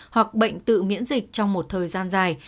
hoặc bệnh tự miễn dịch trong một thời gian dài